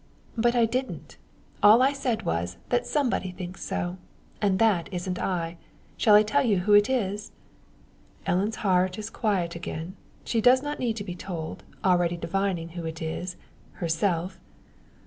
"But I didn't. All I said was, that somebody thinks so; and that isn't I. Shall I tell you who it is?" Ellen's heart is again quiet; she does not need to be told, already divining who it is herself.